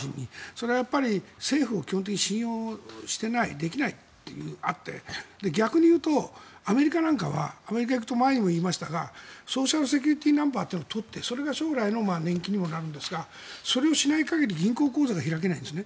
それは政府を基本的に信用していないできないというのがあって逆に言うと、アメリカなんかはアメリカに行くと前にも言いましたがソーシャルセキュリティーナンバーっていうのを取ってそれが将来の年金にもなるんですがそれをしない限り銀行口座が開けないんです。